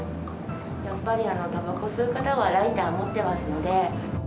やっぱり、たばこ吸う方はライター持ってますので。